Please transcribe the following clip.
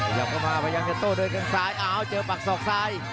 หยับเข้ามาพยายามจะโต้เดินขึ้นซ้ายอ้าวเจอปากศอกซ้าย